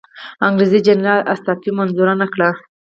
انګریزي جنرال استعفی منظوره نه کړه.